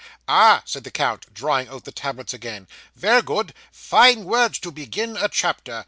'Ah!' said the count, drawing out the tablets again, 'ver good fine words to begin a chapter.